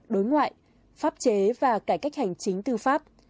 đối ngoại pháp chế và cải cách hành chính tư pháp